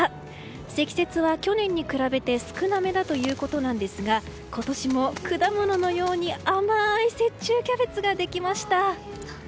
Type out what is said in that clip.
積雪は去年に比べて少なめだということなんですが今年も果物のように甘い雪中キャベツができました。